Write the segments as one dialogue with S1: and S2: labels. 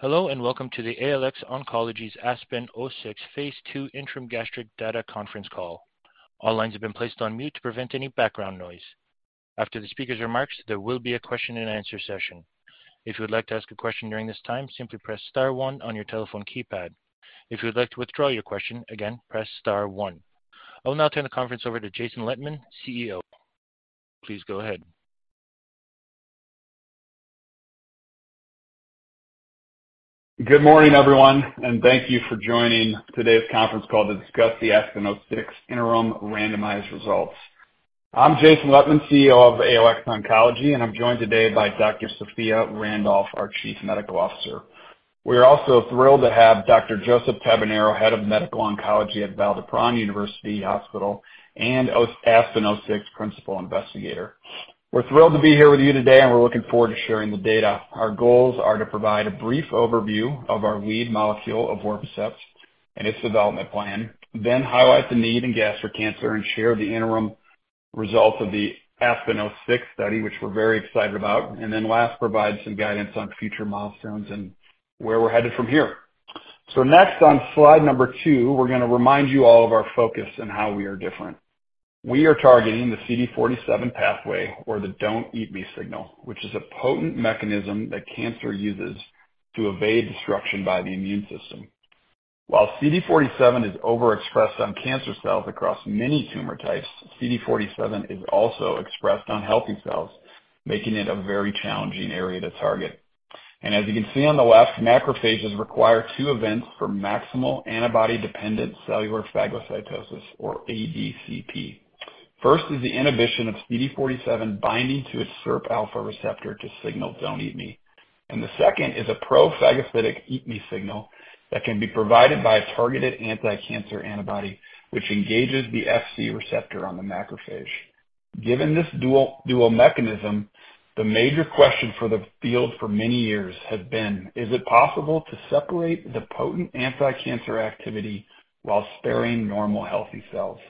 S1: Hello, and welcome to the ALX Oncology's ASPEN-06 Phase II Interim Gastric Data Conference Call. All lines have been placed on mute to prevent any background noise. After the speaker's remarks, there will be a Q&A session. If you would like to ask a question during this time, simply press star one on your telephone keypad. If you would like to withdraw your question, again, press star one. I will now turn the conference over to Jason Lettmann, CEO. Please go ahead.
S2: Good morning, everyone, and thank you for joining today's conference call to discuss the ASPEN-06 interim randomized results. I'm Jason Lettmann, CEO of ALX Oncology, and I'm joined today by Dr. Sophia Randolph, our Chief Medical Officer. We are also thrilled to have Dr. Josep Tabernero, Head of Medical Oncology at Vall d'Hebron University Hospital and ASPEN-06 Principal Investigator. We're thrilled to be here with you today, and we're looking forward to sharing the data. Our goals are to provide a brief overview of our lead molecule, Evorpacept, and its development plan, then highlight the need in gastric cancer and share the interim results of the ASPEN-06 study, which we're very excited about. And then last, provide some guidance on future milestones and where we're headed from here. Next, on slide number two, we're gonna remind you all of our focus and how we are different. We are targeting the CD47 pathway or the "don't eat me" signal, which is a potent mechanism that cancer uses to evade destruction by the immune system. While CD47 is overexpressed on cancer cells across many tumor types, CD47 is also expressed on healthy cells, making it a very challenging area to target. As you can see on the left, macrophages require two events for maximal antibody-dependent cellular phagocytosis, or ADCP. First is the inhibition of CD47 binding to its SIRPα receptor to signal "don't eat me," and the second is a pro-phagocytic "eat me" signal that can be provided by a targeted anticancer antibody, which engages the Fc receptor on the macrophage. Given this dual, dual mechanism, the major question for the field for many years has been: Is it possible to separate the potent anticancer activity while sparing normal, healthy cells?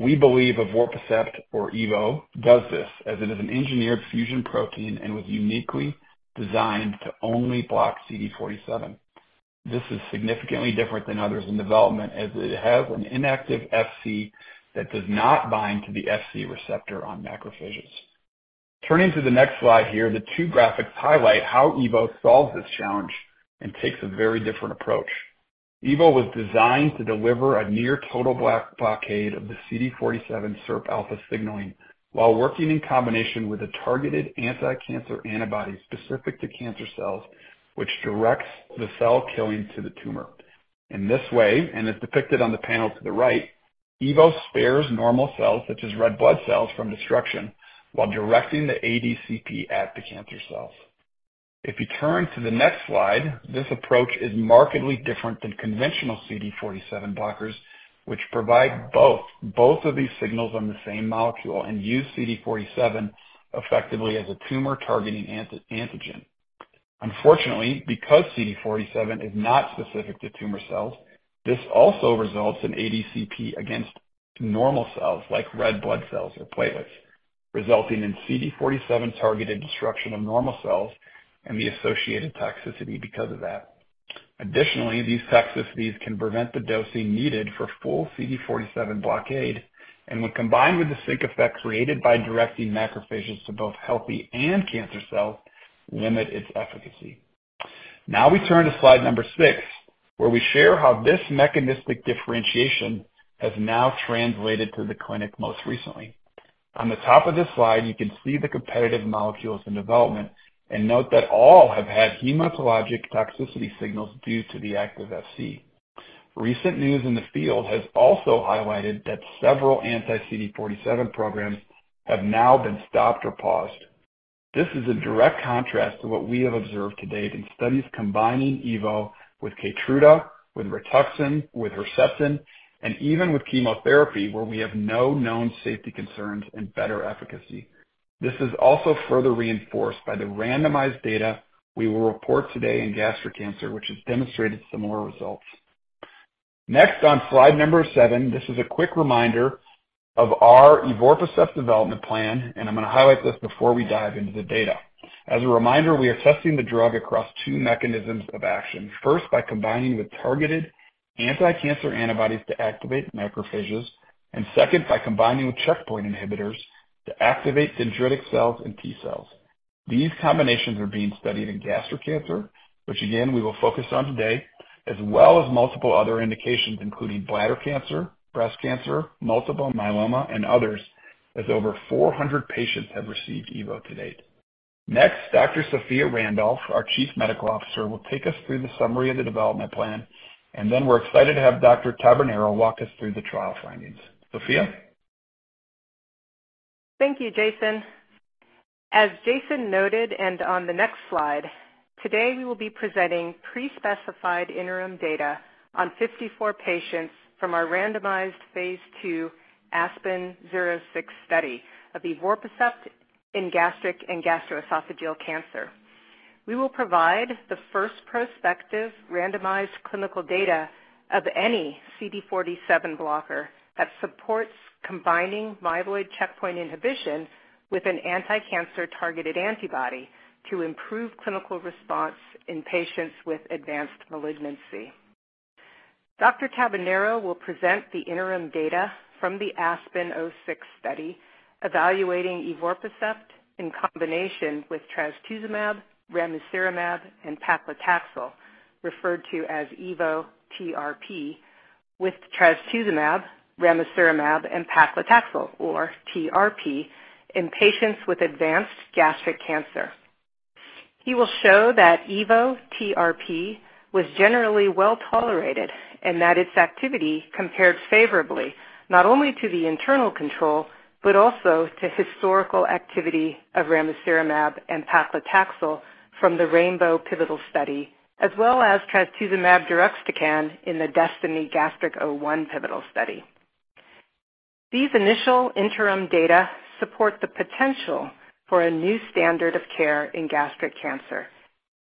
S2: We believe Evorpacept, or EVO, does this, as it is an engineered fusion protein and was uniquely designed to only block CD47. This is significantly different than others in development, as it has an inactive Fc that does not bind to the Fc receptor on macrophages. Turning to the next slide here, the two graphics highlight how EVO solves this challenge and takes a very different approach. EVO was designed to deliver a near-total block, blockade of the CD47 SIRP alpha signaling, while working in combination with a targeted anticancer antibody specific to cancer cells, which directs the cell killing to the tumor. In this way, and as depicted on the panel to the right, EVO spares normal cells, such as red blood cells, from destruction while directing the ADCP at the cancer cells. If you turn to the next slide, this approach is markedly different than conventional CD47 blockers, which provide both of these signals on the same molecule and use CD47 effectively as a tumor-targeting anti-antigen. Unfortunately, because CD47 is not specific to tumor cells, this also results in ADCP against normal cells like red blood cells or platelets, resulting in CD47-targeted destruction of normal cells and the associated toxicity because of that. Additionally, these toxicities can prevent the dosing needed for full CD47 blockade and, when combined with the sink effect created by directing macrophages to both healthy and cancer cells, limit its efficacy. Now we turn to slide number six, where we share how this mechanistic differentiation has now translated to the clinic most recently. On the top of this slide, you can see the competitive molecules in development and note that all have had hematologic toxicity signals due to the active Fc. Recent news in the field has also highlighted that several anti-CD47 programs have now been stopped or paused. This is in direct contrast to what we have observed to date in studies combining EVO with Keytruda, with Rituxan, with Herceptin, and even with chemotherapy, where we have no known safety concerns and better efficacy. This is also further reinforced by the randomized data we will report today in gastric cancer, which has demonstrated similar results. Next, on slide number seven, this is a quick reminder of our Evorpacept development plan, and I'm going to highlight this before we dive into the data. As a reminder, we are testing the drug across two mechanisms of action. First, by combining with targeted anticancer antibodies to activate macrophages. And second, by combining with checkpoint inhibitors to activate Dendritic cells and T cells. These combinations are being studied in gastric cancer, which again, we will focus on today, as well as multiple other indications, including bladder cancer, breast cancer, multiple myeloma, and others, as over 400 patients have received EVO to date. Next, Dr. Sophia Randolph, our Chief Medical Officer, will take us through the summary of the development plan, and then we're excited to have Dr. Tabernero walk us through the trial findings. Sophia?
S3: Thank you, Jason. As Jason noted, and on the next slide, today we will be presenting pre-specified interim data on 54 patients from our randomized phase II ASPEN-06 study of Evorpacept in gastric and gastroesophageal cancer. We will provide the first prospective randomized clinical data of any CD47 blocker that supports combining myeloid checkpoint inhibition with an anticancer-targeted antibody to improve clinical response in patients with advanced malignancy. Dr. Tabernero will present the interim data from the ASPEN-06 study, evaluating Evorpacept in combination with Trastuzumab, Ramucirumab, and Paclitaxel, referred to as evo-TRP, with Trastuzumab, Ramucirumab, and Paclitaxel, or TRP, in patients with advanced gastric cancer. He will show that Evorpacept was generally well-tolerated and that its activity compared favorably, not only to the internal control, but also to historical activity of Ramucirumab and Paclitaxel from the RAINBOW pivotal study, as well as Trastuzumab deruxtecan in the DESTINY-Gastric01 pivotal study. These initial interim data support the potential for a new standard of care in gastric cancer,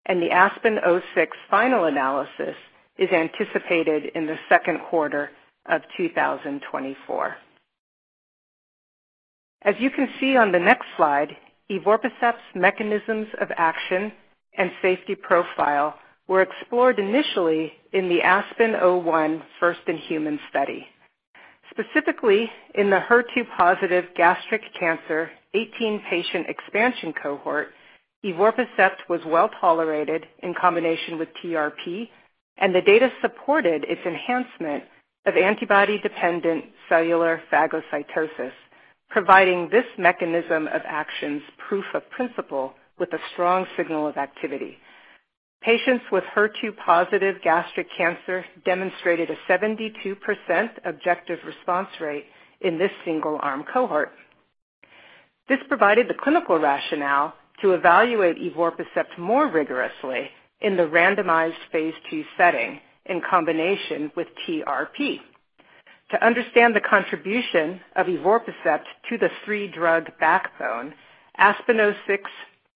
S3: and the ASPEN-06 final analysis is anticipated in the Q2 of 2024. As you can see on the next slide, Evorpacept's mechanisms of action and safety profile were explored initially in the ASPEN-01 first-in-human study. Specifically, in the HER2-positive gastric cancer 18-patient expansion cohort, Evorpacept was well-tolerated in combination with TRP, and the data supported its enhancement of antibody-dependent cellular phagocytosis, providing this mechanism of action's proof of principle with a strong signal of activity. Patients with HER2-positive gastric cancer demonstrated a 72% objective response rate in this single-arm cohort. This provided the clinical rationale to evaluate Evorpacept more rigorously in the randomized phase II setting, in combination with TRP. To understand the contribution of Evorpacept to the three-drug backbone, ASPEN-06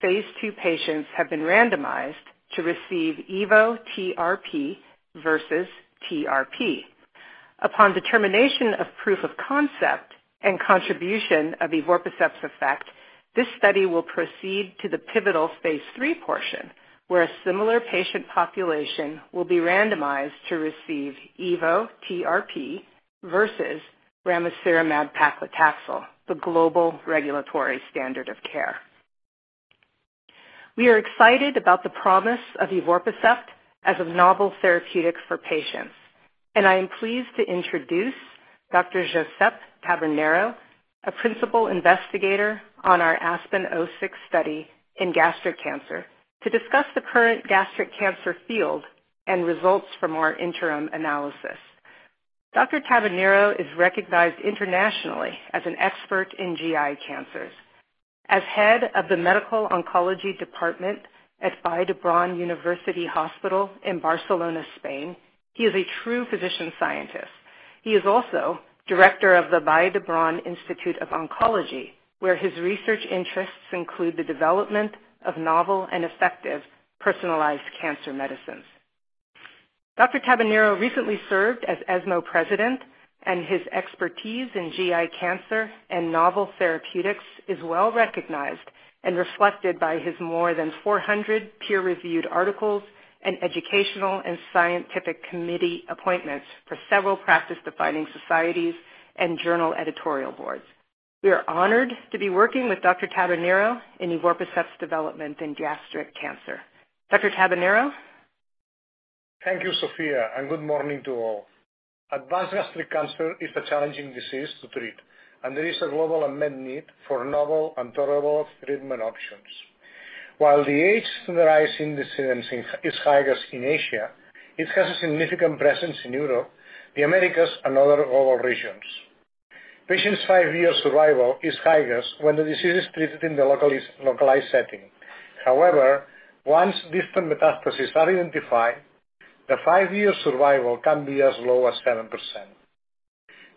S3: phase II patients have been randomized to receive Evorpacept-TRP versus TRP. Upon determination of proof of concept and contribution of Evorpacept's effect, this study will proceed to the pivotal phase III portion, where a similar patient population will be randomized to receive Evorpacept-TRP versus Ramucirumab Paclitaxel, the global regulatory standard of care. We are excited about the promise of Evorpacept as a novel therapeutic for patients, and I am pleased to introduce Dr. Josep Tabernero, a principal investigator on our ASPEN-06 study in gastric cancer, to discuss the current gastric cancer field and results from our interim analysis. Dr. Tabernero is recognized internationally as an expert in GI cancers. As Head of the Medical Oncology Department at Vall d'Hebron University Hospital in Barcelona, Spain, he is a true physician-scientist. He is also Director of the Vall d'Hebron Institute of Oncology, where his research interests include the development of novel and effective personalized cancer medicines. Dr. Tabernero recently served as ESMO President, and his expertise in GI cancer and novel therapeutics is well recognized and reflected by his more than 400 peer-reviewed articles and educational and scientific committee appointments for several practice-defining societies and journal editorial boards. We are honored to be working with Dr. Tabernero in Evorpacept's development in gastric cancer. Dr. Tabernero?
S4: Thank you, Sophia, and good morning to all. Advanced gastric cancer is a challenging disease to treat, and there is a global unmet need for novel and tolerable treatment options. While the age of the rising incidence is highest in Asia, it has a significant presence in Europe, the Americas, and other global regions. Patients' five-year survival is highest when the disease is treated in the locally localized setting. However, once distant metastases are identified, the five-year survival can be as low as 7%.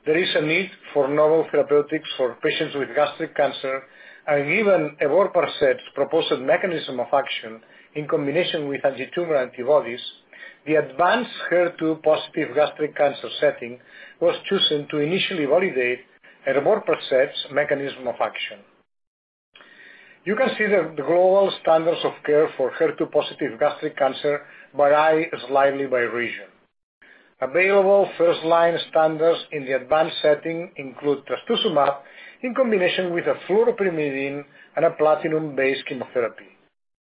S4: There is a need for novel therapeutics for patients with gastric cancer, and given Evorpacept's proposed mechanism of action in combination with antitumor antibodies, the advanced HER2-positive gastric cancer setting was chosen to initially validate Evorpacept's mechanism of action. You can see the global standards of care for HER2-positive gastric cancer vary slightly by region. Available first-line standards in the advanced setting include Trastuzumab in combination with a fluoropyrimidine and a platinum-based chemotherapy,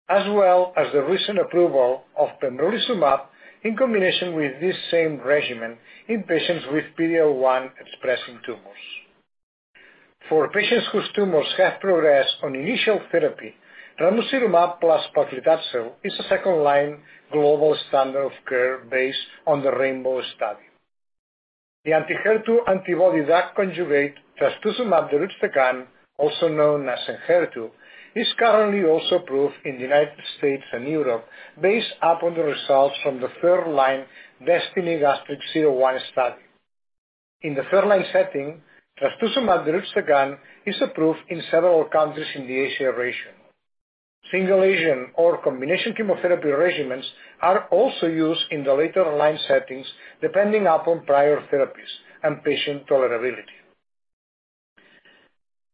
S4: as well as the recent approval of Pembrolizumab in combination with this same regimen in patients with PD-L1-expressing tumors. For patients whose tumors have progressed on initial therapy, Ramucirumab plus Paclitaxel is a second-line global standard of care based on the RAINBOW study. The anti-HER2 antibody-drug conjugate, Trastuzumab deruxtecan, also known as ENHERTU, is currently also approved in the United States and Europe, based upon the results from the third-line DESTINY-Gastric01 study. In the third-line setting, Trastuzumab deruxtecan is approved in several countries in the Asia region. Single-agent or combination chemotherapy regimens are also used in the later-line settings, depending upon prior therapies and patient tolerability.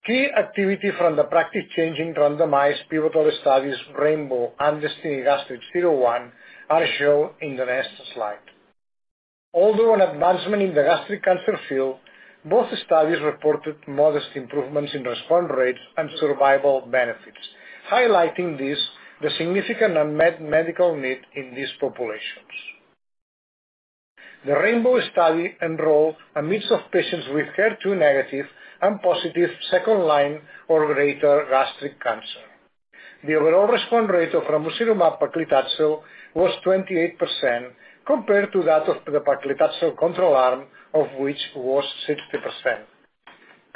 S4: Key activity from the practice-changing randomized pivotal studies, RAINBOW and DESTINY-Gastric01, are shown in the next slide. Although an advancement in the gastric cancer field, both studies reported modest improvements in response rates and survival benefits, highlighting this, the significant unmet medical need in these populations. The RAINBOW study enrolled a mix of patients with HER2 negative and positive second-line or greater gastric cancer. The overall response rate of Ramucirumab Paclitaxel was 28%, compared to that of the Paclitaxel control arm, of which was 60%.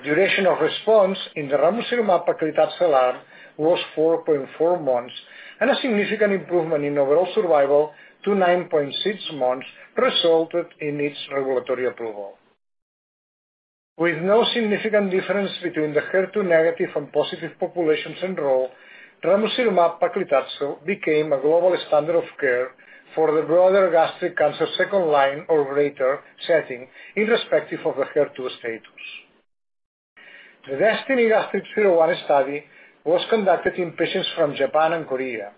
S4: Duration of response in the Ramucirumab Paclitaxel arm was 4.4 months, and a significant improvement in overall survival to 9.6 months resulted in its regulatory approval. With no significant difference between the HER2 negative and positive populations enrolled, Ramucirumab Paclitaxel became a global standard of care for the broader gastric cancer second-line or greater setting, irrespective of the HER2 status. The DESTINY-Gastric01 study was conducted in patients from Japan and Korea,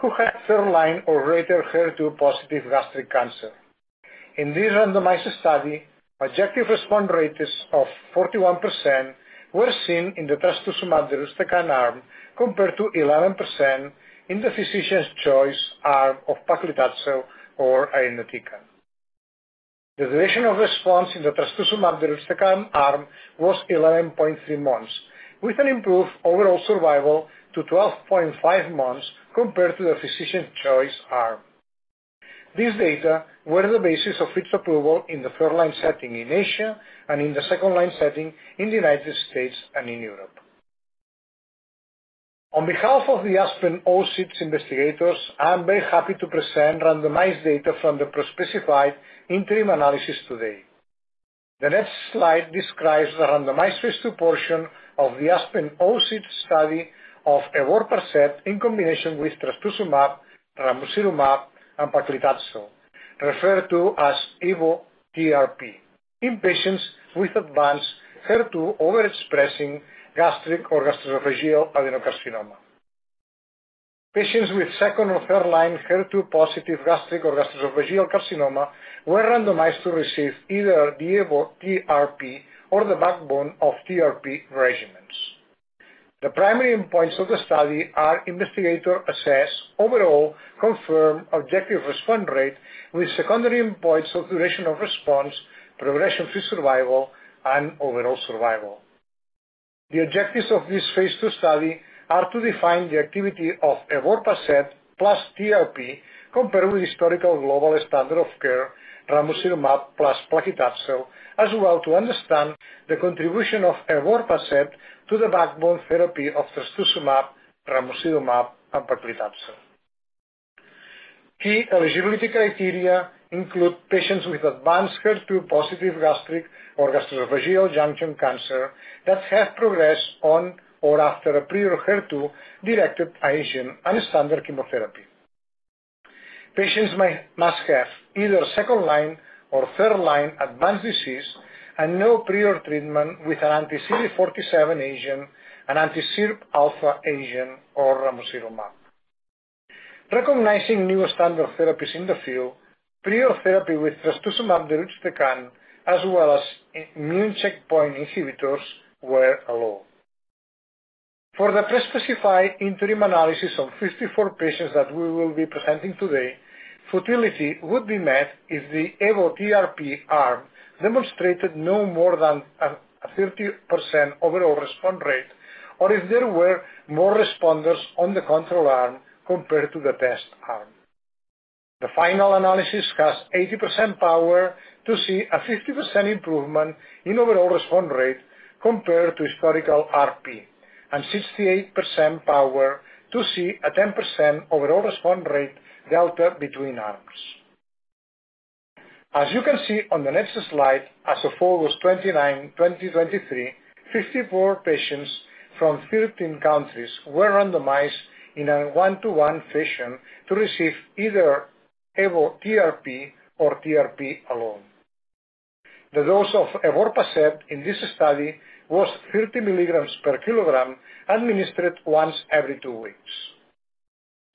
S4: who had third-line or greater HER2-positive gastric cancer. In this randomized study, objective response rates of 41% were seen in the Trastuzumab deruxtecan arm, compared to 11% in the physician's choice arm of Paclitaxel or irinotecan. The duration of response in the Trastuzumab deruxtecan arm was 11.3 months, with an improved overall survival to 12.5 months compared to the physician choice arm. These data were the basis of its approval in the first-line setting in Asia and in the second-line setting in the United States and in Europe. On behalf of the ASPEN-06 investigators, I am very happy to present randomized data from the pre-specified interim analysis today. The next slide describes the randomized phase II portion of the ASPEN-06 study of Evorpacept in combination with Trastuzumab, Ramucirumab, and Paclitaxel, referred to as evo-TRP, in patients with advanced HER2-overexpressing gastric or gastroesophageal adenocarcinoma. Patients with second- or third-line HER2-positive gastric or gastroesophageal carcinoma were randomized to receive either the evo-TRP or the backbone of TRP regimens. The primary endpoints of the study are investigator-assessed overall confirmed objective response rate, with secondary endpoints of duration of response, progression-free survival, and overall survival. The objectives of this phase II study are to define the activity of Evorpacept plus TRP, compared with historical global standard of care, Ramucirumab plus Paclitaxel, as well as to understand the contribution of Evorpacept to the backbone therapy of Trastuzumab, Ramucirumab, and Paclitaxel. Key eligibility criteria include patients with advanced HER2-positive gastric or gastroesophageal junction cancer that have progressed on or after a prior HER2-directed agent and standard chemotherapy. Patients must have either second-line or third-line advanced disease and no prior treatment with an anti-CD47 agent, an anti-SIRPα agent, or Ramucirumab. Recognizing new standard therapies in the field, prior therapy with Trastuzumab deruxtecan, as well as immune checkpoint inhibitors, were allowed. For the prespecified interim analysis of 54 patients that we will be presenting today, futility would be met if the evo-TRP arm demonstrated no more than a 30% overall response rate, or if there were more responders on the control arm compared to the test arm. The final analysis has 80% power to see a 50% improvement in overall response rate compared to historical RP, and 68% power to see a 10% overall response rate delta between arms. As you can see on the next slide, as of August 29, 2023, 54 patients from 13 countries were randomized in a 1:1 fashion to receive either evo-TRP or TRP alone. The dose of Evorpacept in this study was 30 mg/kg, administered once every two weeks.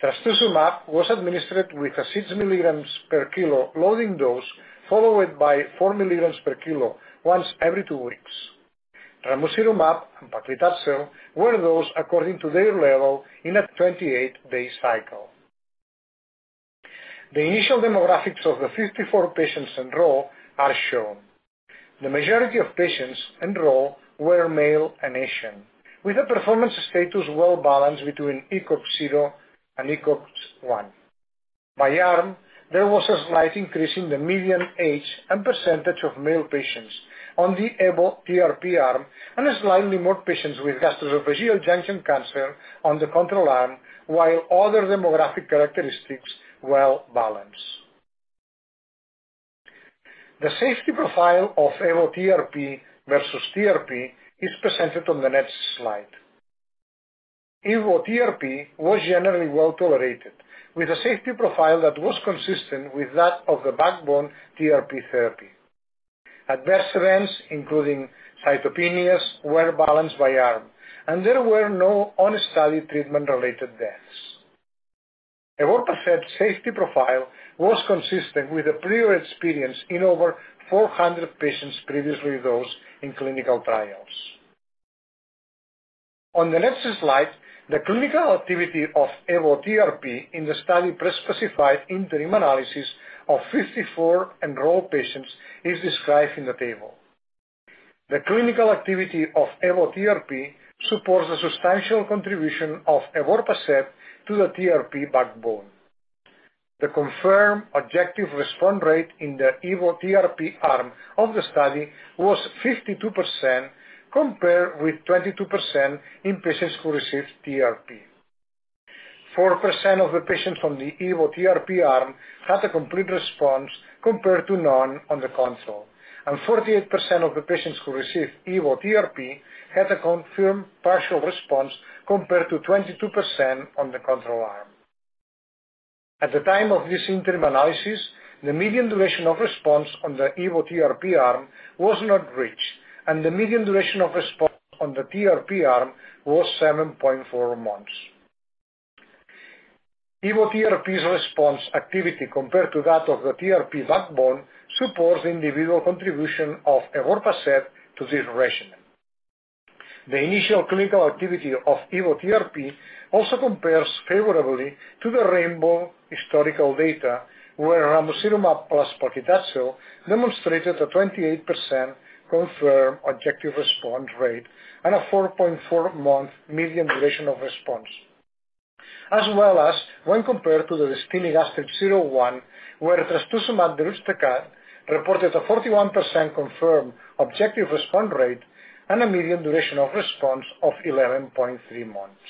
S4: Trastuzumab was administered with a 6 mg/kg loading dose, followed by 4 mg/kg once every two weeks. Ramucirumab and Paclitaxel were dosed according to their label in a 28-day cycle. The initial demographics of the 54 patients enrolled are shown. The majority of patients enrolled were male and Asian, with a performance status well balanced between ECOG 0 and ECOG 1. By arm, there was a slight increase in the median age and percentage of male patients on the evo-TRP arm, and slightly more patients with gastroesophageal junction cancer on the control arm, while other demographic characteristics were well balanced. The safety profile of evo-TRP versus TRP is presented on the next slide. evo-TRP was generally well tolerated, with a safety profile that was consistent with that of the backbone TRP therapy. Adverse events, including cytopenias, were balanced by arm, and there were no on-study treatment-related deaths. Evorpacept safety profile was consistent with the prior experience in over 400 patients previously dosed in clinical trials. On the next slide, the clinical activity of evo-TRP in the study pre-specified interim analysis of 54 enrolled patients is described in the table. The clinical activity of evo-TRP supports a substantial contribution of evobrutinib to the TRP backbone. The confirmed objective response rate in the evo-TRP arm of the study was 52%, compared with 22% in patients who received TRP. 4% of the patients from the evo-TRP arm had a complete response compared to none on the control, and 48% of the patients who received evo-TRP had a confirmed partial response compared to 22% on the control arm. At the time of this interim analysis, the median duration of response on the evo-TRP arm was not reached, and the median duration of response on the TRP arm was 7.4 months. evo-TRP's response activity compared to that of the TRP backbone supports individual contribution of evobrutinib to this regimen. The initial clinical activity of evo-TRP also compares favorably to the RAINBOW historical data, where Ramucirumab plus Paclitaxel demonstrated a 28% confirmed objective response rate and a 4.4-month median duration of response, as well as when compared to the DESTINY-Gastric01, where Trastuzumab deruxtecan reported a 41% confirmed objective response rate and a median duration of response of 11.3 months.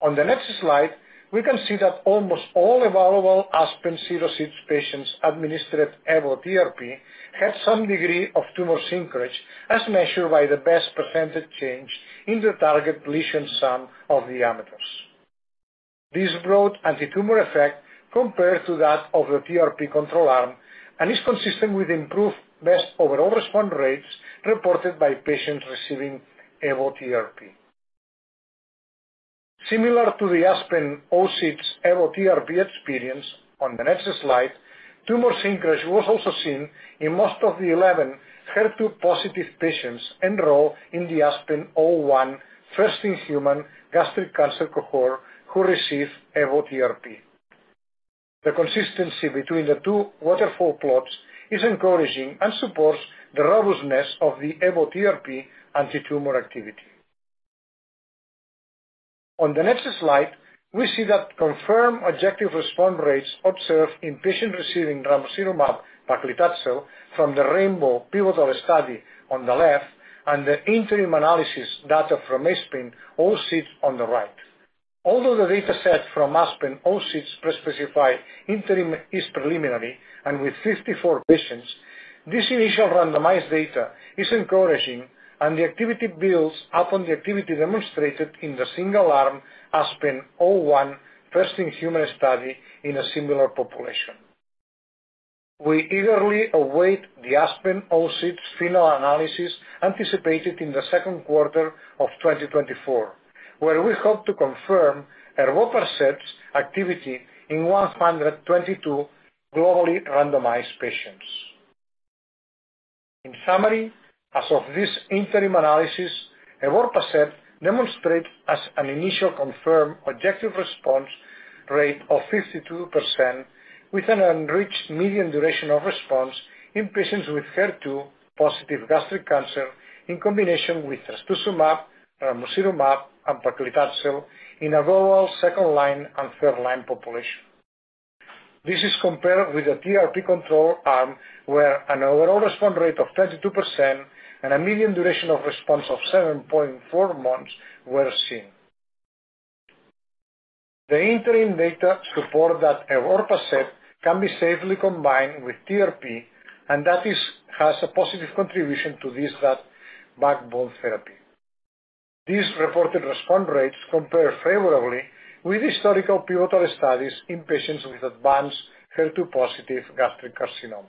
S4: On the next slide, we can see that almost all evaluable ASPEN-06 patients administered evo-TRP had some degree of tumor shrinkage, as measured by the best percentage change in the target lesion sum of the diameters. This broad antitumor effect compared to that of the TRP control arm and is consistent with improved best overall response rates reported by patients receiving evo-TRP. Similar to the ASPEN-06 Evorpacept experience, on the next slide, tumor shrinkage was also seen in most of the 11 HER2-positive patients enrolled in the ASPEN-01 first-in-human gastric cancer cohort who received Evorpacept. The consistency between the two waterfall plots is encouraging and supports the robustness of the Evorpacept antitumor activity. On the next slide, we see that confirmed objective response rates observed in patients receiving Ramucirumab Paclitaxel from the RAINBOW pivotal study on the left and the interim analysis data from ASPEN-06 on the right. Although the data set from ASPEN-06 pre-specified interim is preliminary and with 54 patients, this initial randomized data is encouraging, and the activity builds upon the activity demonstrated in the single-arm ASPEN-01 first-in-human study in a similar population. We eagerly await the ASPEN-06 final analysis, anticipated in the Q2 of 2024, where we hope to confirm Evorpacept's activity in 122 globally randomized patients. In summary, as of this interim analysis, Evorpacept demonstrates an initial confirmed objective response rate of 52%, with an unreached median duration of response in patients with HER2-positive gastric cancer, in combination with Trastuzumab, Ramucirumab, and Paclitaxel in a 2L/3L second-line and third-line population. This is compared with a TRP control arm, where an overall response rate of 32% and a median duration of response of 7.4 months were seen. The interim data support that Evorpacept can be safely combined with TRP, and that is, has a positive contribution to this, that backbone therapy. These reported response rates compare favorably with historical pivotal studies in patients with advanced HER2-positive gastric carcinoma.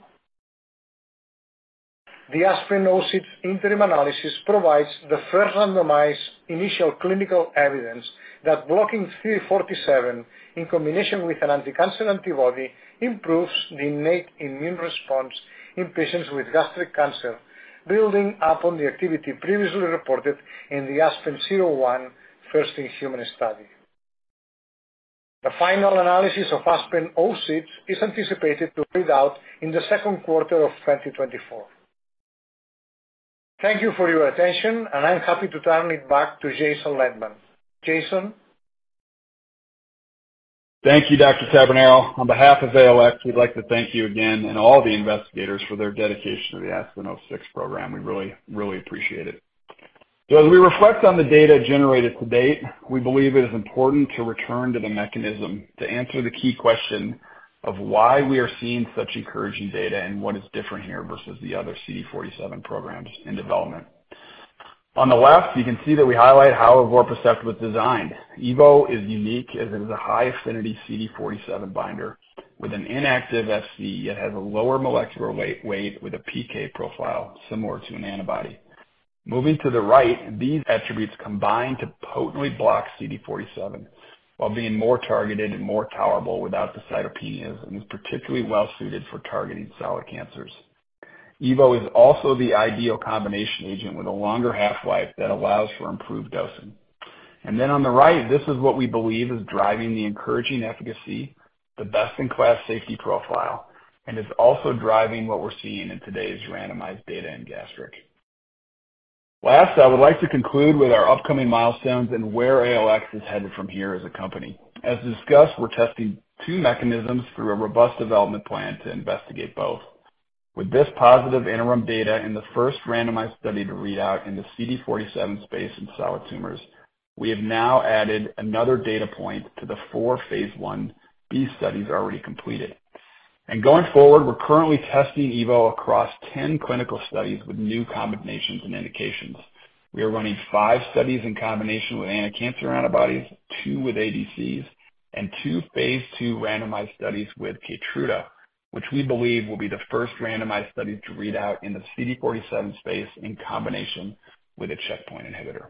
S4: The ASPEN-06 interim analysis provides the first randomized initial clinical evidence that blocking CD47 in combination with an anticancer antibody improves the innate immune response in patients with gastric cancer, building upon the activity previously reported in the ASPEN-01 first-in-human study. The final analysis of ASPEN-06 is anticipated to read out in the Q2 of 2024. Thank you for your attention, and I'm happy to turn it back to Jason Lettmann. Jason?
S2: Thank you, Dr. Tabanero. On behalf of ALX, we'd like to thank you again and all the investigators for their dedication to the ASPEN-06 program. We really, really appreciate it. So as we reflect on the data generated to date, we believe it is important to return to the mechanism to answer the key question: of why we are seeing such encouraging data and what is different here versus the other CD47 programs in development. On the left, you can see that we highlight how Evorpacept was designed. EVO is unique as it is a high-affinity CD47 binder with an inactive FC. It has a lower molecular weight with a PK profile similar to an antibody. Moving to the right, these attributes combine to potently block CD47 while being more targeted and more tolerable without the cytopenias, and is particularly well-suited for targeting solid cancers. EVO is also the ideal combination agent with a longer half-life that allows for improved dosing. And then on the right, this is what we believe is driving the encouraging efficacy, the best-in-class safety profile, and is also driving what we're seeing in today's randomized data in gastric. Last, I would like to conclude with our upcoming milestones and where ALX is headed from here as a company. As discussed, we're testing two mechanisms through a robust development plan to investigate both. With this positive interim data in the first randomized study to read out in the CD47 space in solid tumors, we have now added another data point to the four phase Ib studies already completed. Going forward, we're currently testing EVO across 10 clinical studies with new combinations and indications. We are running 5 studies in combination with anticancer antibodies, two with ADCs, and two phase II randomized studies with Keytruda, which we believe will be the first randomized study to read out in the CD47 space in combination with a checkpoint inhibitor.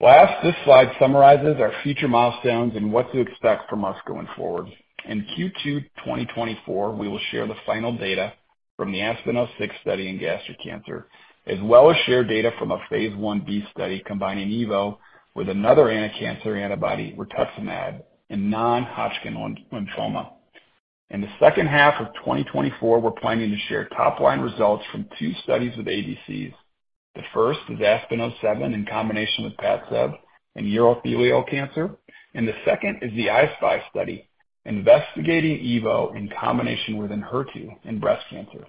S2: Last, this slide summarizes our future milestones and what to expect from us going forward. In Q2 2024, we will share the final data from the ASPEN-06 study in gastric cancer, as well as share data from a phase 1B study combining EVO with another anticancer antibody, Rituximab, in non-Hodgkin lymphoma. In the second half of 2024, we're planning to share top-line results from two studies with ADCs. The first is ASPEN-07, in combination with Padcev and urothelial cancer. The second is the I-SPY study, investigating EVO in combination with an HER2 in breast cancer.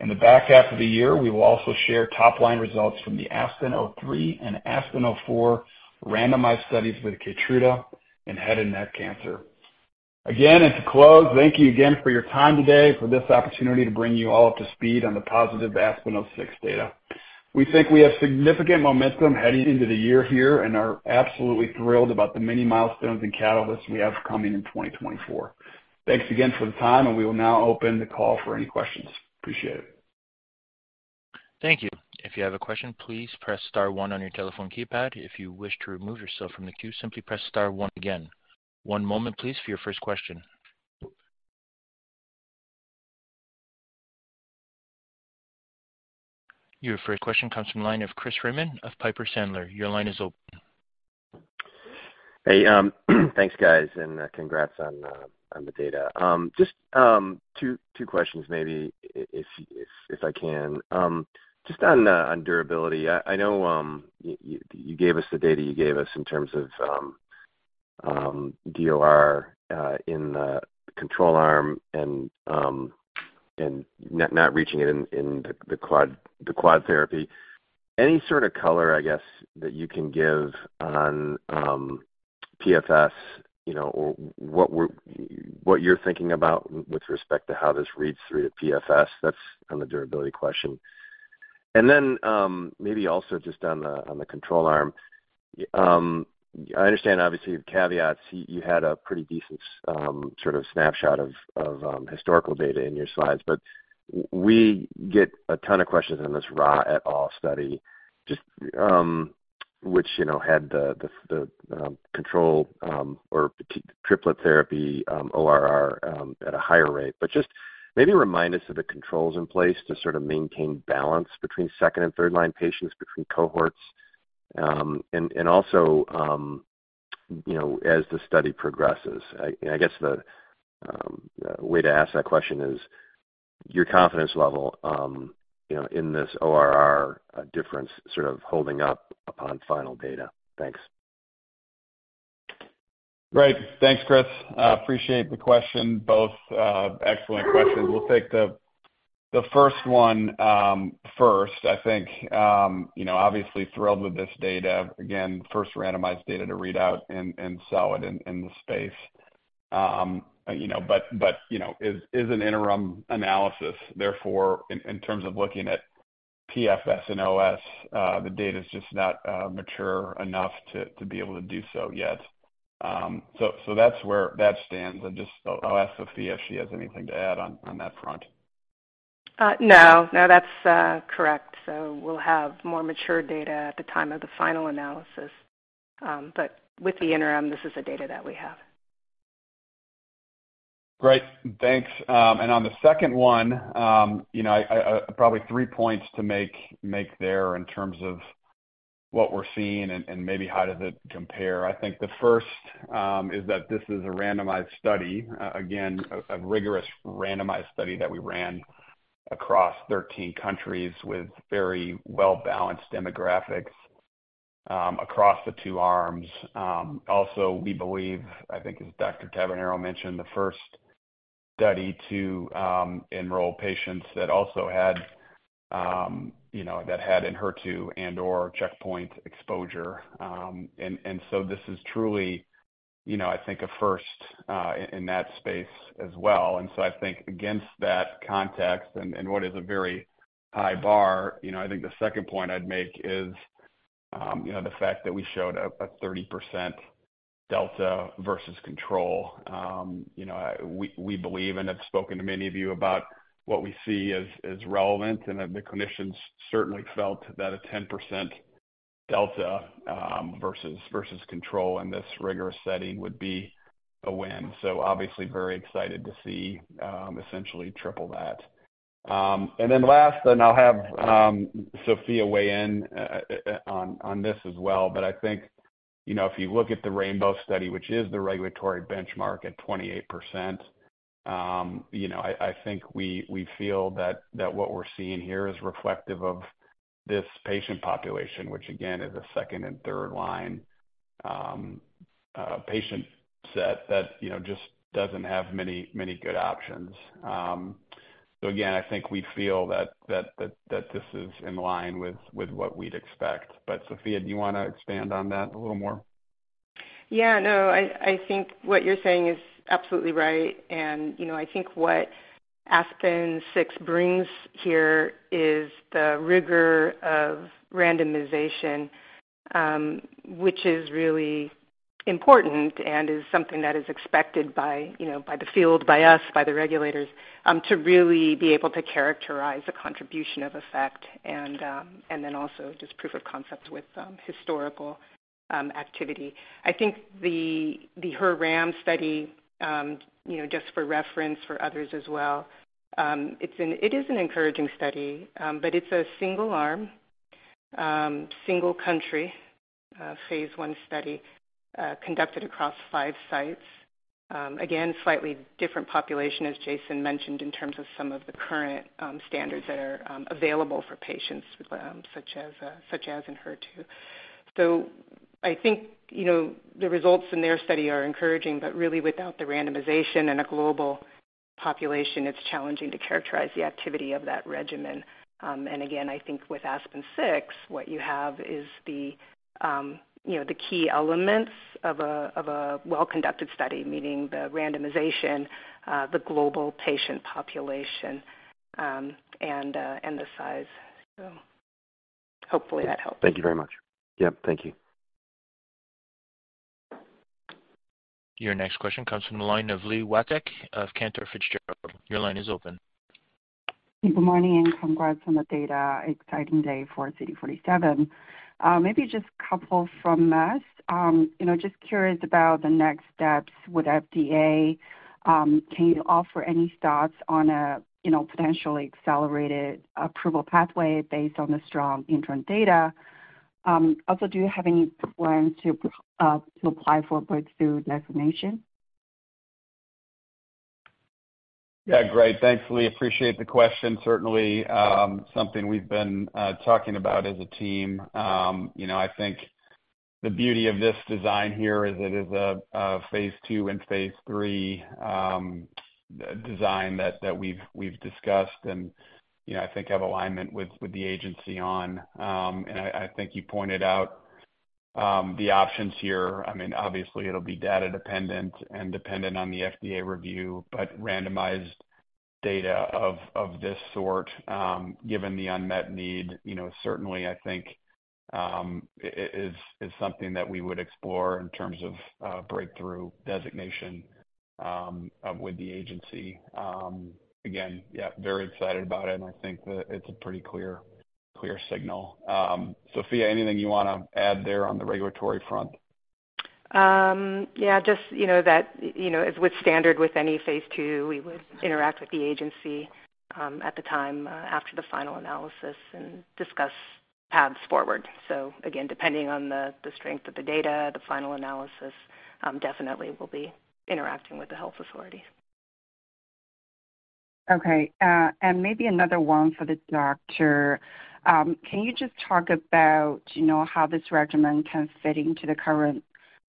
S2: In the back half of the year, we will also share top-line results from the ASPEN-03 and ASPEN-04 randomized studies with Keytruda in head and neck cancer. Again, as a close, thank you again for your time today, for this opportunity to bring you all up to speed on the positive ASPEN-06 data. We think we have significant momentum heading into the year here and are absolutely thrilled about the many milestones and catalysts we have coming in 2024. Thanks again for the time, and we will now open the call for any questions. Appreciate it.
S1: Thank you. If you have a question, please press star one on your telephone keypad. If you wish to remove yourself from the queue, simply press star one again. One moment please, for your first question. Your first question comes from the line of Chris Raymond of Piper Sandler. Your line is open.
S5: Hey, thanks, guys, and congrats on the data. Just two questions, maybe if I can. Just on durability, I know you gave us the data you gave us in terms of DOR in the control arm and not reaching it in the quad therapy. Any sort of color, I guess, that you can give on PFS, you know, or what you're thinking about with respect to how this reads through to PFS? That's on the durability question. And then, maybe also just on the control arm. I understand obviously the caveats. You had a pretty decent sort of snapshot of historical data in your slides, but we get a ton of questions on this Rha et al. study, just which, you know, had the control or triplet therapy ORR at a higher rate. But just maybe remind us of the controls in place to sort of maintain balance between second-line and third-line patients, between cohorts, and also, you know, as the study progresses. And I guess the way to ask that question is, your confidence level, you know, in this ORR difference, sort of holding up upon final data? Thanks.
S2: Great. Thanks, Chris. I appreciate the question, both excellent questions. We'll take the first one, first. I think, you know, obviously thrilled with this data. Again, first randomized data to read out and sell it in the space. You know, but you know, is an interim analysis. Therefore, in terms of looking at PFS and OS, the data is just not mature enough to be able to do so yet. So that's where that stands. And just- I'll ask Sophia if she has anything to add on that front.
S3: No. No, that's correct. So we'll have more mature data at the time of the final analysis. But with the interim, this is the data that we have.
S2: Great, thanks. And on the second one, you know, I probably three points to make there in terms of what we're seeing and maybe how does it compare. I think the first is that this is a randomized study. Again, a rigorous randomized study that we ran across 13 countries with very well-balanced demographics across the two arms. Also, we believe, I think as Dr. Tabernero mentioned, the first study to enroll patients that also had, you know, that had ENHERTU and or checkpoint exposure. And so this is truly, you know, I think a first in that space as well. And so I think against that context and what is a very high bar, you know, I think the second point I'd make is, you know, the fact that we showed a 30% delta versus control. You know, we believe, and I've spoken to many of you about what we see as relevant, and the clinicians certainly felt that a 10% delta versus control in this rigorous setting would be a win. So obviously, very excited to see essentially triple that. And then last, and I'll have Sophia weigh in on this as well, but I think, you know, if you look at the RAINBOW study, which is the regulatory benchmark at 28%, you know, I think we feel that what we're seeing here is reflective of this patient population, which again, is a second and third line patient set that, you know, just doesn't have many good options. So again, I think we feel that this is in line with what we'd expect. But Sophia, do you want to expand on that a little more?
S3: Yeah, no, I think what you're saying is absolutely right. And you know, I think what ASPEN-6 brings here is the rigor of randomization, which is really important and is something that is expected by, you know, by the field, by us, by the regulators, to really be able to characterize the contribution of effect and, and then also just proof of concept with historical activity. I think the HER-RAM study, you know, just for reference for others as well, it is an encouraging study, but it's a single-arm, single country, phase I study, conducted across five sites. Again, slightly different population, as Jason mentioned, in terms of some of the current standards that are available for patients, such as, such as ENHERTU. So I think, you know, the results in their study are encouraging, but really, without the randomization and a global population, it's challenging to characterize the activity of that regimen. And again, I think with ASPEN-06, what you have is the, you know, the key elements of a well-conducted study, meaning the randomization, the global patient population, and the size. So hopefully that helps.
S1: Thank you very much. Yep, thank you. Your next question comes from the line of Li Watsek of Cantor Fitzgerald. Your line is open.
S6: Good morning, and congrats on the data. Exciting day for CD47. Maybe just a couple from us. You know, just curious about the next steps with FDA. Can you offer any thoughts on a, you know, potentially accelerated approval pathway based on the strong interim data? Also, do you have any plans to apply for breakthrough designation?
S2: Yeah, great. Thanks, Li. Appreciate the question. Certainly, something we've been talking about as a team. You know, I think the beauty of this design here is it is a phase II and phase III design that we've discussed and, you know, I think have alignment with the agency on. And I think you pointed out the options here. I mean, obviously, it'll be data dependent and dependent on the FDA review, but randomized data of this sort, given the unmet need, you know, certainly I think it is something that we would explore in terms of breakthrough designation with the agency. Again, yeah, very excited about it, and I think that it's a pretty clear signal. Sophia, anything you want to add there on the regulatory front?
S3: Yeah, just you know that, you know, as with standard with any phase II, we would interact with the agency, at the time, after the final analysis and discuss paths forward. So again, depending on the, the strength of the data, the final analysis, definitely we'll be interacting with the health authorities.
S6: Okay, and maybe another one for the doctor. Can you just talk about, you know, how this regimen can fit into the current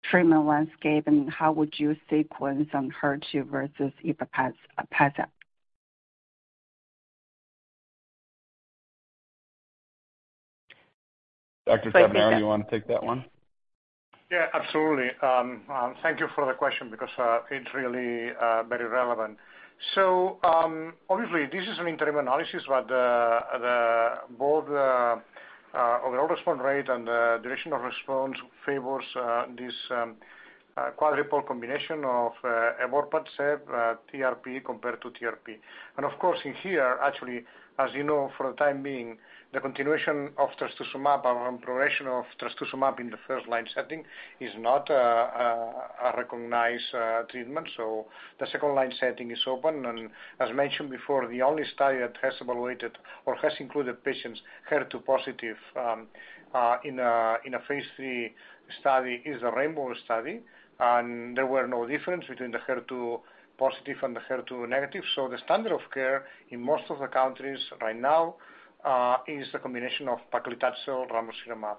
S6: treatment landscape, and how would you sequence on HER2 versus ipataslimab?
S2: Dr. Tabernero, you want to take that one?
S4: Yeah, absolutely. Thank you for the question because it's really very relevant. So, obviously, this is an interim analysis, but the both, overall response rate and the duration of response favors this quadruple combination of Evorpacept TRP compared to TRP. And of course, in here, actually, as you know, for the time being, the continuation of Trastuzumab and progression of Trastuzumab in the first line setting is not a recognized treatment. So the second line setting is open, and as mentioned before, the only study that has evaluated or has included patients HER2 positive in a phase III study is a RAINBOW study, and there were no difference between the HER2 positive and the HER2 negative. So the standard of care in most of the countries right now is the combination of Paclitaxel Ramucirumab.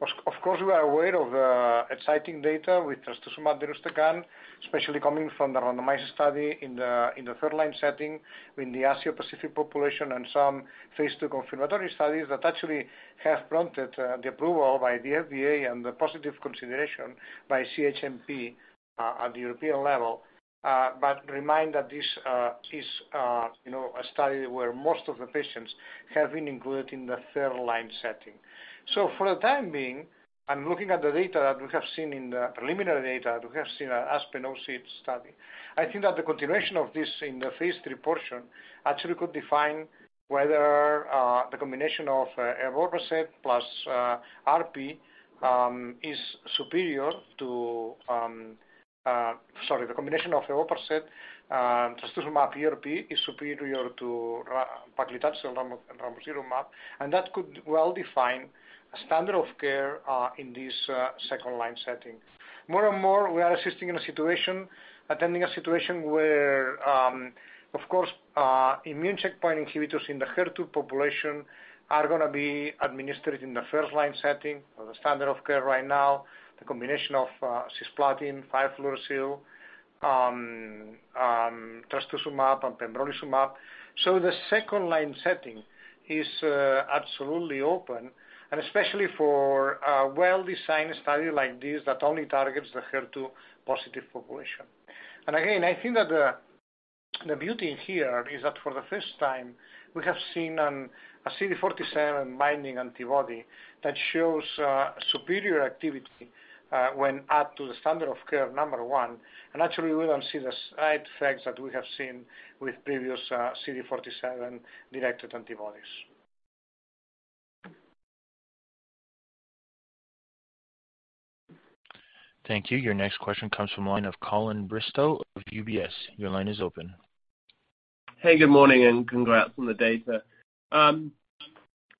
S4: Of course, we are aware of exciting data with Trastuzumab deruxtecan, especially coming from the randomized study in the third-line setting in the Asia Pacific population and some phase II confirmatory studies that actually have prompted the approval by the FDA and the positive consideration by CHMP at the European level. But remind that this is, you know, a study where most of the patients have been included in the third-line setting. So for the time being, I'm looking at the preliminary data that we have seen in the ASPEN-06 study. I think that the continuation of this in the phase III portion actually could define whether the combination of Evorpacept plus RP is superior to Sorry, the combination of Evorpacept, Trastuzumab deruxtecan is superior to Paclitaxel Ramucirumab, and that could well define a standard of care in this second-line setting. More and more, we are assisting in a situation, attending a situation where, of course, immune checkpoint inhibitors in the HER2 population are gonna be administered in the first-line setting or the standard of care right now, the combination of Cisplatin, Fluorouracil, Trastuzumab and Pembrolizumab. So the second-line setting is absolutely open, and especially for a well-designed study like this that only targets the HER2-positive population. And again, I think that the beauty here is that for the first time, we have seen a CD47 binding antibody that shows superior activity when add to the standard of care, number one, and actually, we don't see the side effects that we have seen with previous CD47-directed antibodies.
S1: Thank you. Your next question comes from the line of Colin Bristow of UBS. Your line is open.
S7: Hey, good morning, and congrats on the data.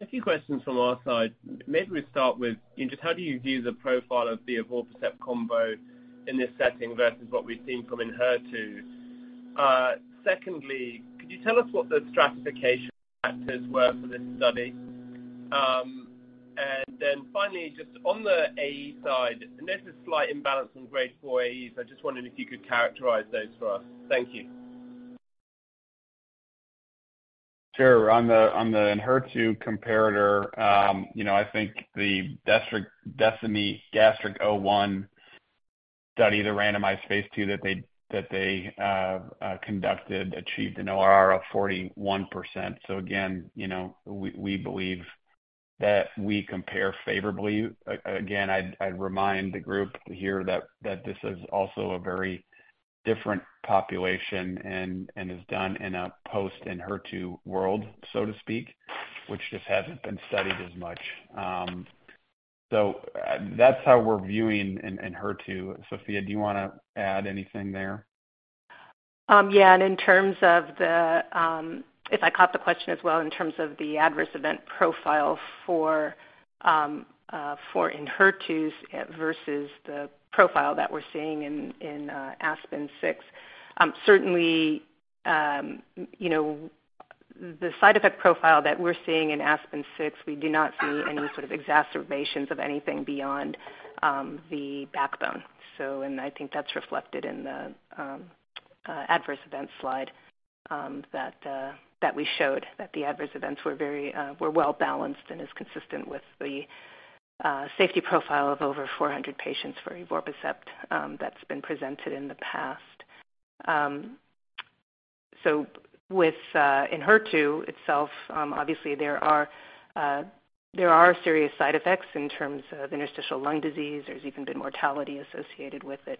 S7: A few questions from our side. Maybe we start with just how do you view the profile of the Evorpacept combo in this setting versus what we've seen from ENHERTU? Secondly, could you tell us what the stratification factors were for this study? And then finally, just on the AE side, I noticed a slight imbalance in grade 4 AEs. I just wondered if you could characterize those for us. Thank you.
S2: Sure. On the, on the ENHERTU comparator, you know, I think the DESTINY-Gastric01 study, the randomized phase II that they conducted, achieved an ORR of 41%. So again, you know, we believe that we compare favorably. Again, I'd remind the group here that this is also a very different population and is done in a post-ENHERTU world, so to speak, which just hasn't been studied as much. So that's how we're viewing ENHERTU. Sophia, do you want to add anything there?
S3: Yeah, and in terms of the, if I caught the question as well, in terms of the adverse event profile for ENHERTU versus the profile that we're seeing in ASPEN-06. Certainly, you know, the side effect profile that we're seeing in ASPEN-06, we do not see any sort of exacerbations of anything beyond the backbone. So and I think that's reflected in the adverse event slide that we showed, that the adverse events were very well-balanced and is consistent with the safety profile of over 400 patients for Evorpacept that's been presented in the past. So with in ENHERTU itself, obviously there are serious side effects in terms of interstitial lung disease. There's even been mortality associated with it.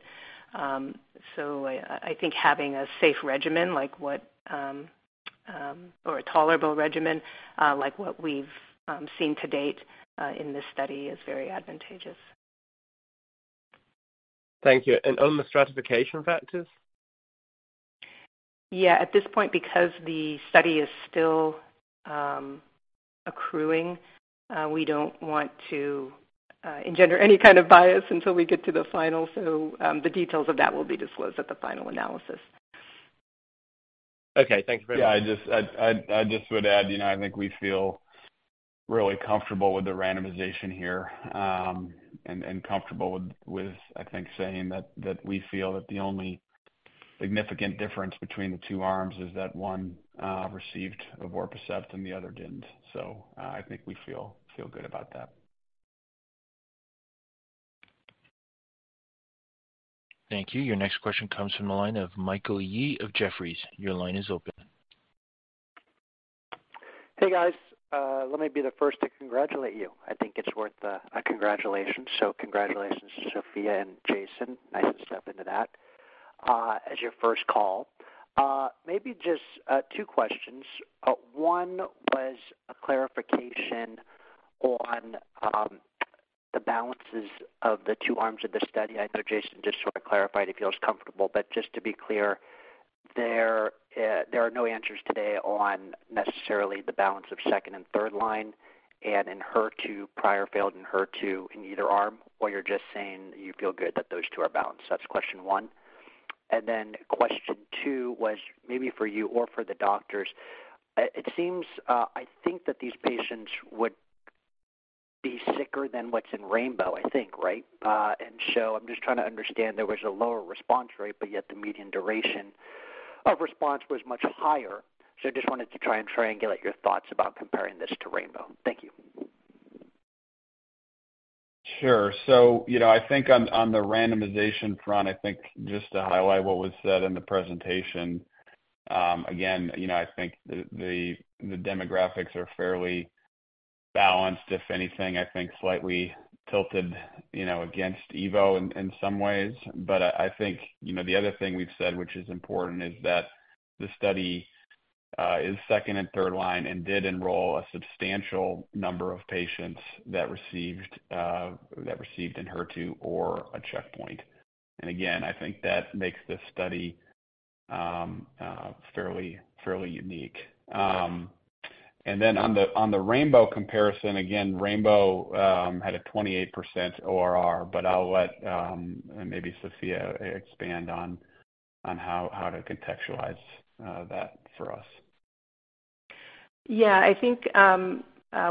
S3: I think having a safe regimen or a tolerable regimen, like what we've seen to date in this study, is very advantageous.
S7: Thank you. And on the stratification factors?
S3: Yeah. At this point, because the study is still accruing, we don't want to engender any kind of bias until we get to the final. So, the details of that will be disclosed at the final analysis.
S7: Okay, thanks very much.
S2: Yeah, I just would add, you know, I think we feel really comfortable with the randomization here, and comfortable with, I think, saying that we feel that the only significant difference between the two arms is that one received Evorpacept and the other didn't. So, I think we feel good about that.
S1: Thank you. Your next question comes from the line of Michael Yee of Jefferies. Your line is open.
S8: Hey, guys. Let me be the first to congratulate you. I think it's worth a congratulations. So congratulations, Sophia and Jason. Nice to step into that as your first call. Maybe just two questions. One was a clarification on the balances of the two arms of the study. I know Jason just sort of clarified it if feels comfortable, but just to be clear, there are no answers today on necessarily the balance of second and third line, and ENHERTU, prior failed ENHERTU in either arm, or you're just saying you feel good that those two are balanced? That's question one. And then question two was maybe for you or for the doctors. It seems I think that these patients would be sicker than what's in Rainbow, I think, right? And so I'm just trying to understand. There was a lower response rate, but yet the median duration of response was much higher. So just wanted to try and triangulate your thoughts about comparing this to RAINBOW. Thank you.
S2: Sure. So, you know, I think on the randomization front, I think just to highlight what was said in the presentation, again, you know, I think the demographics are fairly balanced. If anything, I think slightly tilted, you know, against evo in some ways. But I think, you know, the other thing we've said, which is important, is that the study is second and third line and did enroll a substantial number of patients that received ENHERTU or a checkpoint. And again, I think that makes this study fairly unique. And then on the Rainbow comparison, again, Rainbow had a 28% ORR, but I'll let maybe Sophia expand on how to contextualize that for us.
S3: Yeah. I think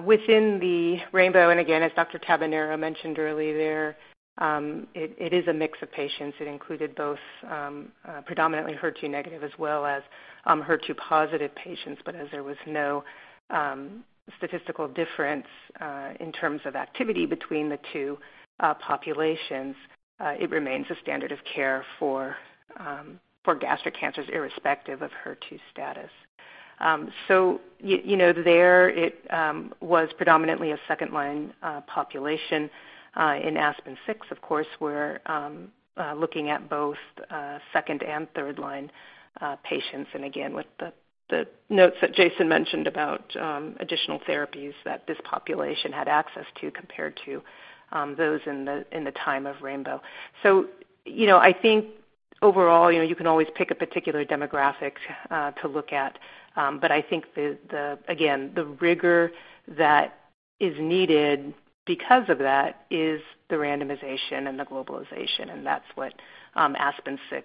S3: within the RAINBOW, and again, as Dr. Tabernero mentioned earlier, there it is a mix of patients. It included both, predominantly HER2-negative as well as, HER2-positive patients. But as there was no statistical difference in terms of activity between the two populations, it remains a standard of care for gastric cancers, irrespective of HER2 status. So you know, there it was predominantly a second-line population in ASPEN-06. Of course, we're looking at both second- and third-line patients. And again, with the notes that Jason mentioned about additional therapies that this population had access to, compared to those in the time of RAINBOW. So, you know, I think overall, you know, you can always pick a particular demographic to look at, but I think again, the rigor that is needed because of that is the randomization and the globalization, and that's what ASPEN-06,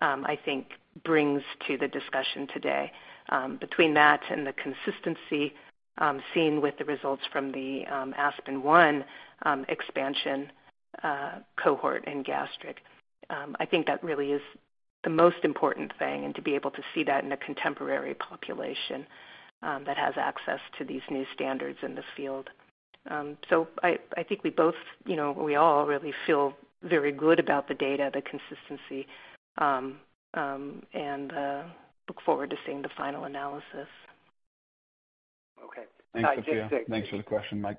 S3: I think brings to the discussion today. Between that and the consistency seen with the results from the ASPEN-01 expansion cohort and gastric, I think that really is the most important thing, and to be able to see that in a contemporary population that has access to these new standards in the field. So I think we both, you know, we all really feel very good about the data, the consistency, and look forward to seeing the final analysis.
S8: Okay.
S2: Thanks, Sophia. Thanks for the question, Mike.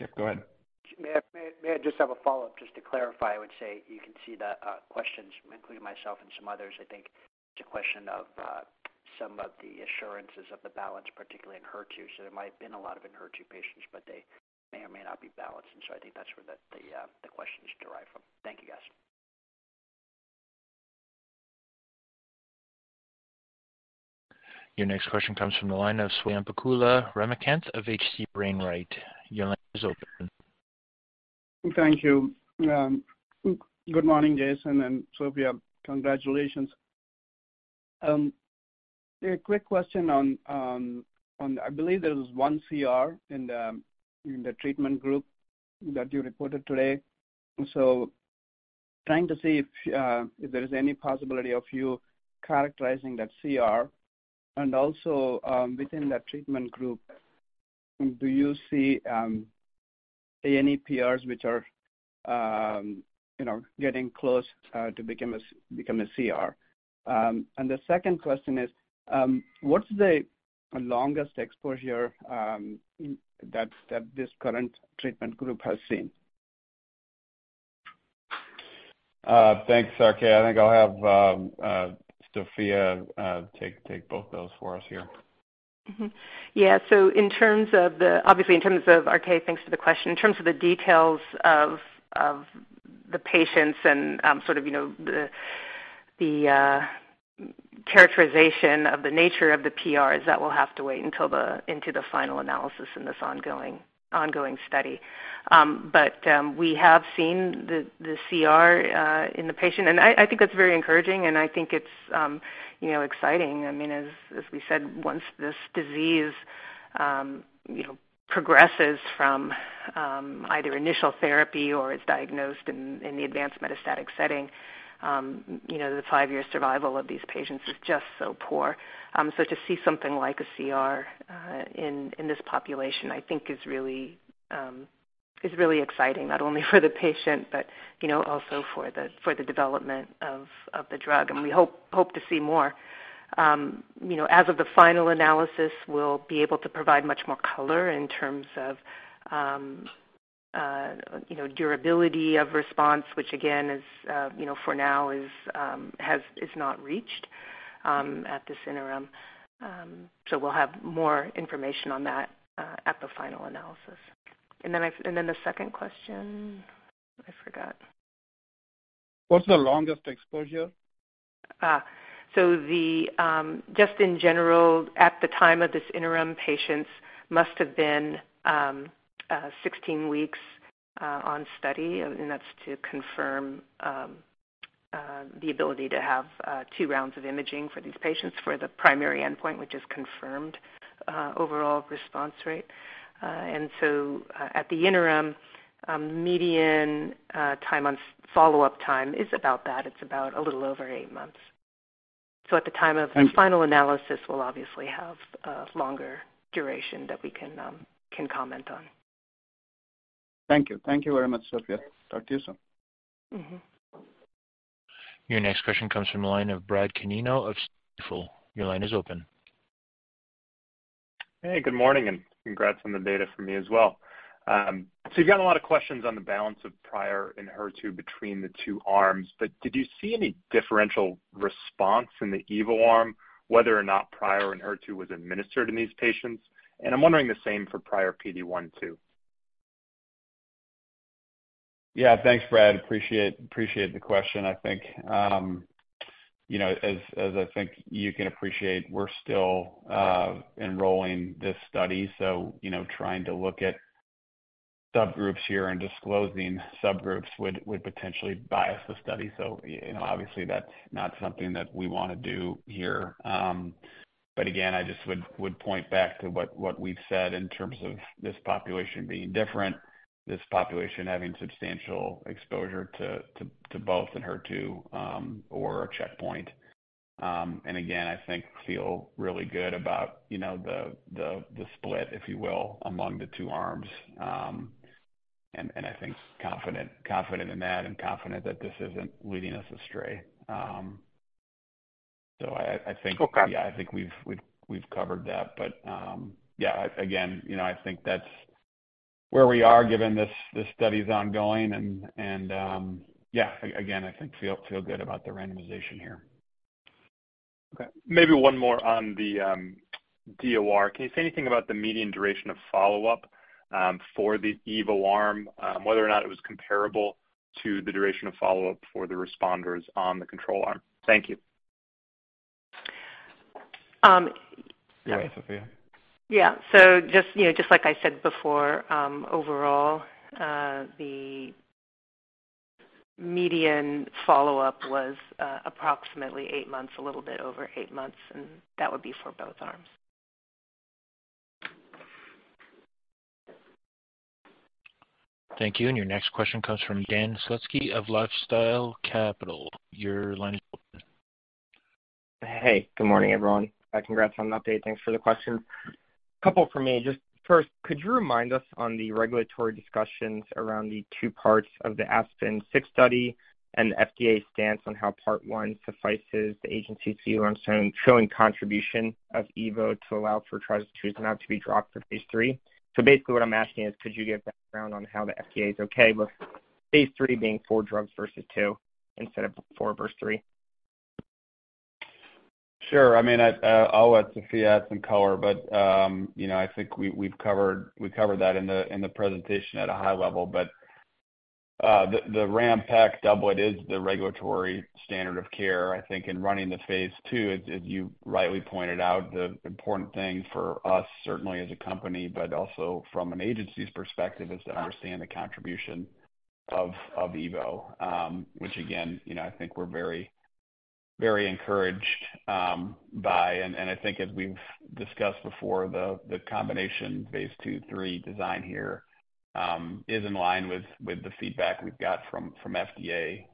S2: Yeah, go ahead.
S8: May I just have a follow-up just to clarify? I would say you can see the questions, including myself and some others. I think it's a question of some of the assurances of the balance, particularly ENHERTU. So there might have been a lot of HER2 patients, but they may or may not be balanced, and so I think that's where the questions derive from. Thank you, guys.
S1: Your next question comes from the line of Swayampakula Ramakanth of H.C. Wainwright. Your line is open.
S9: Thank you. Good morning, Jason and Sophia. Congratulations. A quick question on... I believe there was one CR in the treatment group that you reported today. So trying to see if there is any possibility of you characterizing that CR, and also, within that treatment group, do you see any PRs which are, you know, getting close to become a CR? And the second question is, what's the longest exposure that this current treatment group has seen?
S2: Thanks, RK. I think I'll have Sophia take both those for us here.
S3: Mm-hmm. Yeah. So in terms of the, obviously, in terms of, RK, thanks for the question. In terms of the details of the patients and, sort of, you know, the characterization of the nature of the PRs, that will have to wait until into the final analysis in this ongoing study. But we have seen the CR in the patient, and I think that's very encouraging, and I think it's, you know, exciting. I mean, as we said, once this disease, you know, progresses from either initial therapy or is diagnosed in the advanced metastatic setting, you know, the five-year survival of these patients is just so poor. So to see something like a CR in this population, I think is really. is really exciting, not only for the patient, but, you know, also for the development of the drug, and we hope to see more. You know, as of the final analysis, we'll be able to provide much more color in terms of, you know, durability of response, which again is, you know, for now has not reached at this interim. So we'll have more information on that at the final analysis. And then the second question, I forgot.
S9: What's the longest exposure?
S3: Ah. Just in general, at the time of this interim, patients must have been sixteen weeks on study, and that's to confirm the ability to have two rounds of imaging for these patients for the primary endpoint, which is confirmed overall response rate. At the interim, median time on follow-up time is about that. It's about a little over eight months. At the time of-
S9: Thank
S3: the final analysis, we'll obviously have a longer duration that we can comment on.
S9: Thank you. Thank you very much, Sophia. Talk to you soon.
S3: Mm-hmm.
S1: Your next question comes from the line of Brad Canino of Stifel. Your line is open.
S10: Hey, good morning, and congrats on the data from me as well. So you've got a lot of questions on the balance of prior and HER2 between the two arms, but did you see any differential response in the evo arm, whether or not prior and HER2 was administered in these patients? I'm wondering the same for prior PD-1 too.
S2: Yeah, thanks, Brad. Appreciate, appreciate the question. I think, you know, as I think you can appreciate, we're still enrolling this study. So, you know, trying to look at subgroups here and disclosing subgroups would potentially bias the study. So you know, obviously, that's not something that we wanna do here. But again, I just would point back to what we've said in terms of this population being different, this population having substantial exposure to both ENHERTU or a checkpoint. And again, I think feel really good about, you know, the split, if you will, among the two arms. And I think confident in that and confident that this isn't leading us astray. So I think.
S10: Okay.
S2: Yeah, I think we've covered that. But, yeah, again, you know, I think that's where we are, given this study's ongoing and, yeah, again, I think feel good about the randomization here.
S10: Okay. Maybe one more on the DOR. Can you say anything about the median duration of follow-up for the evo arm, whether or not it was comparable to the duration of follow-up for the responders on the control arm? Thank you.
S3: Um.
S2: Go ahead, Sophia.
S3: Yeah. So just, you know, just like I said before, overall, the median follow-up was approximately eight months, a little bit over eight months, and that would be for both arms.
S1: Thank you. Your next question comes from Sam Slutsky of LifeSci Capital. Your line is open.
S11: Hey, good morning, everyone. Congrats on the update. Thanks for the question. Couple for me. Just first, could you remind us on the regulatory discussions around the two parts of the ASPEN-06 study and the FDA stance on how part 1 suffices the agency to see cornerstone showing contribution of evo to allow for Trastuzumab to be dropped for phase III? So basically, what I'm asking is, could you give background on how the FDA's okay with phase III being four drugs versus two, instead of four versus three?
S2: Sure. I mean, I'll let Sophia add some color, but, you know, I think we've covered that in the presentation at a high level. But the RamPac doublet is the regulatory standard of care, I think, in running the phase II. As you rightly pointed out, the important thing for us, certainly as a company, but also from an agency's perspective, is to understand the contribution of evo, which again, you know, I think we're very, very encouraged by. And I think as we've discussed before, the combination phase II to III design here is in line with the feedback we've got from FDA.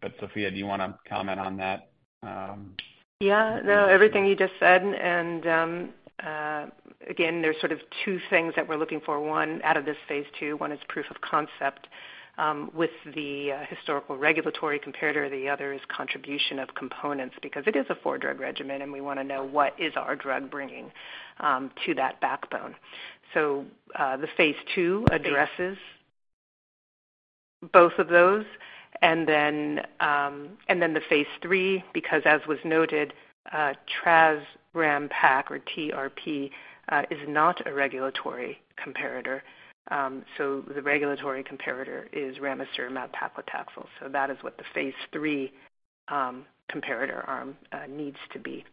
S2: But Sophia, do you wanna comment on that?
S3: Yeah, no, everything you just said. And, again, there's sort of two things that we're looking for: One, out of this phase II. One is proof of concept, with the, historical regulatory comparator. The other is contribution of components, because it is a 4-drug regimen, and we wanna know what is our drug bringing, to that backbone. So, the phase II addresses both of those. And then, and then the phase III, because as was noted, Traz Rampac, or TRP, is not a regulatory comparator. So the regulatory comparator is Ramucirumab Paclitaxel. So that is what the phase III, comparator arm, needs to be.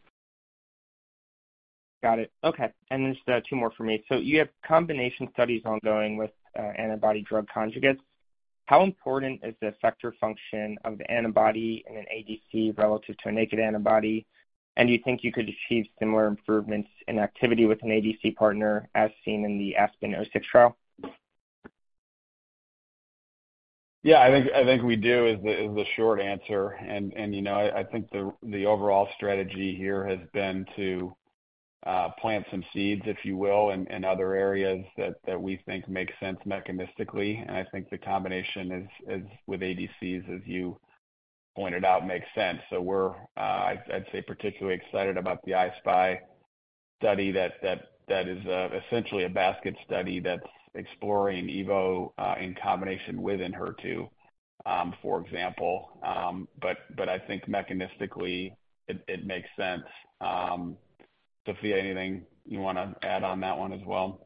S11: Got it. Okay, and just, two more for me. So you have combination studies ongoing with, antibody-drug conjugates. How important is the effector function of the antibody in an ADC relative to a naked antibody? And do you think you could achieve similar improvements in activity with an ADC partner, as seen in the ASPEN-06 trial?
S2: Yeah, I think we do is the short answer. And you know, I think the overall strategy here has been to plant some seeds, if you will, in other areas that we think make sense mechanistically. And I think the combination is with ADCs, as you pointed out, makes sense. So we're, I'd say, particularly excited about the I-SPY study that is essentially a basket study that's exploring evo in combination with HER2, for example. But I think mechanistically it makes sense. Sophia, anything you wanna add on that one as well?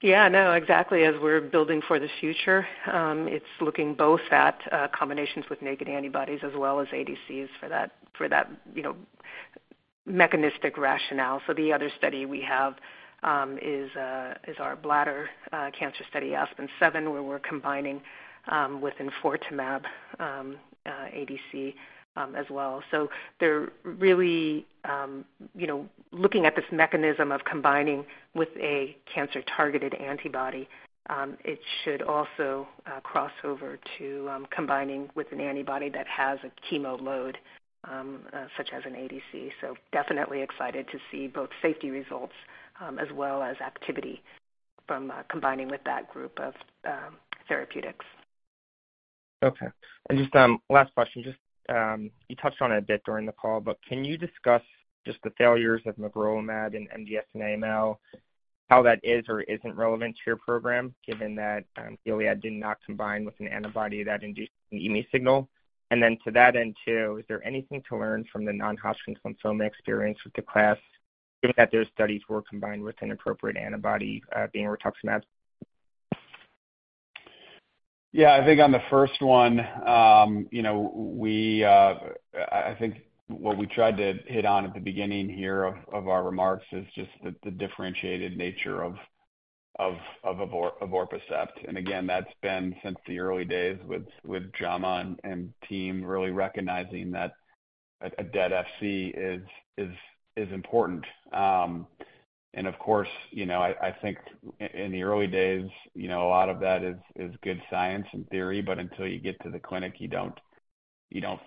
S3: Yeah, no, exactly. As we're building for the future, it's looking both at combinations with naked antibodies as well as ADCs for that, for that, you know, mechanistic rationale. So the other study we have is our bladder cancer study, ASPEN-07, where we're combining with Enfortumab ADC as well. So they're really, you know, looking at this mechanism of combining with a cancer-targeted antibody, it should also cross over to combining with an antibody that has a chemo load such as an ADC. So definitely excited to see both safety results as well as activity from combining with that group of therapeutics.
S11: Okay. And just, last question. Just, you touched on it a bit during the call, but can you discuss just the failures of magrolimab in MDS and AML, how that is or isn't relevant to your program, given that, Gilead did not combine with an antibody that induced an ADCP signal? And then to that end, too, is there anything to learn from the non-Hodgkin lymphoma experience with the class, given that their studies were combined with an appropriate antibody, being rituximab?
S2: Yeah, I think on the first one, you know, we, I think what we tried to hit on at the beginning here of our remarks is just the differentiated nature of Evorpacept. And again, that's been since the early days with Jaume and team really recognizing that a dead Fc is important. And of course, you know, I think in the early days, you know, a lot of that is good science and theory, but until you get to the clinic, you don't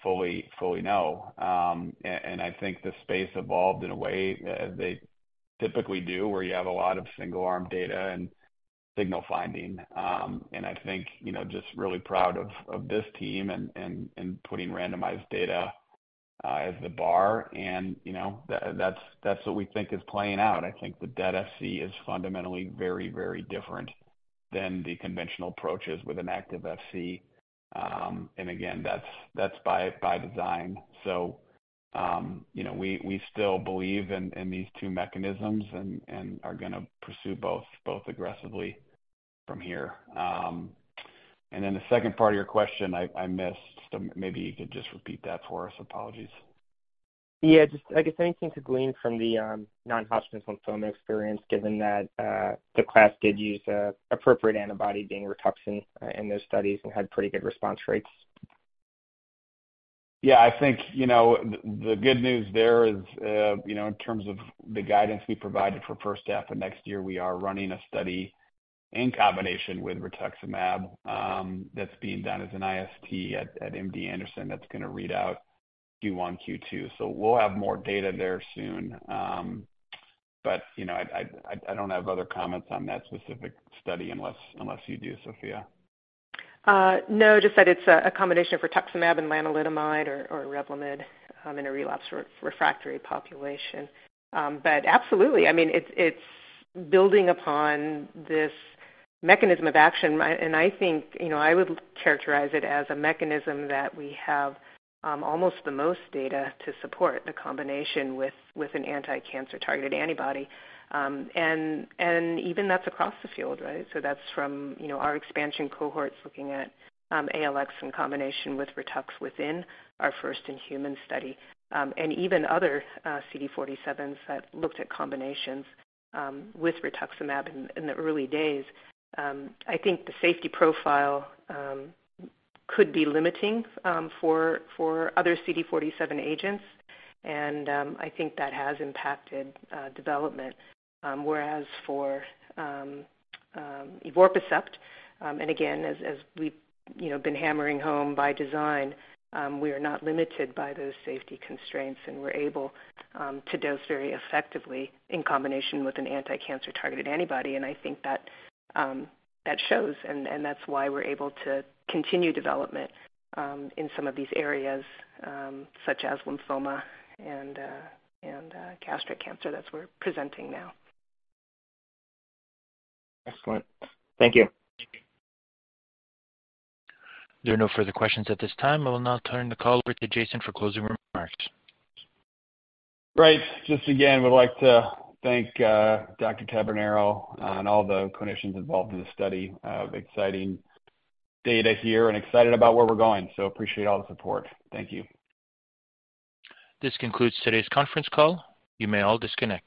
S2: fully know. And I think the space evolved in a way they typically do, where you have a lot of single-arm data and signal finding. And I think, you know, just really proud of this team and putting randomized data as the bar. And, you know, that's what we think is playing out. I think the dead Fc is fundamentally very, very different than the conventional approaches with an active Fc. And again, that's by design. So, you know, we still believe in these two mechanisms and are gonna pursue both aggressively from here. And then the second part of your question I missed. So maybe you could just repeat that for us. Apologies.
S11: Yeah, just, I guess anything to glean from the non-Hodgkin's lymphoma experience, given that the class did use an appropriate antibody, being Rituxan, in those studies and had pretty good response rates?
S2: Yeah, I think, you know, the good news there is, you know, in terms of the guidance we provided for first half of next year, we are running a study in combination with rituximab, that's being done as an IST at MD Anderson. That's gonna read out Q1, Q2. So we'll have more data there soon. But, you know, I don't have other comments on that specific study, unless you do, Sophia.
S3: No, just that it's a combination of rituximab and lenalidomide or Revlimid in a relapse refractory population. But absolutely. I mean, it's building upon this mechanism of action. And I think, you know, I would characterize it as a mechanism that we have almost the most data to support the combination with an anticancer-targeted antibody. And even that's across the field, right? So that's from, you know, our expansion cohorts looking at ALX in combination with Ritux within our first-in-human study. And even other CD47s that looked at combinations with Rituximab in the early days. I think the safety profile could be limiting for other CD47 agents, and I think that has impacted development. Whereas for Evorpacept, and again, as we've, you know, been hammering home by design, we are not limited by those safety constraints, and we're able to dose very effectively in combination with an anticancer targeted antibody. I think that shows, and that's why we're able to continue development in some of these areas, such as lymphoma and gastric cancer that we're presenting now.
S11: Excellent. Thank you.
S1: There are no further questions at this time. I will now turn the call over to Jason for closing remarks.
S2: Great. Just again, would like to thank, Dr. Tabanero, and all the clinicians involved in the study. Exciting data here and excited about where we're going, so appreciate all the support. Thank you.
S1: This concludes today's conference call. You may all disconnect.